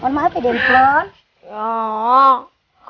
mohon maaf ya deng klon